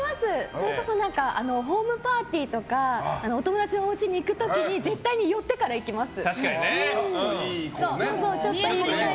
それこそホームパーティーとかお友達のおうちに行く時に絶対に寄ってから行きます。